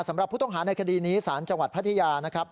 สำหรับผู้ต้องหาในคดีนี้สารจังหวัดพัทยานะครับ